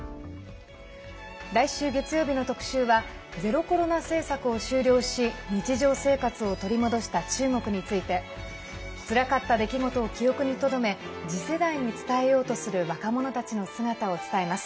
来週月曜日の特集はゼロコロナ政策を終了し日常生活を取り戻した中国について。つらかった出来事を記憶にとどめ次世代に伝えようとする若者たちの姿を伝えます。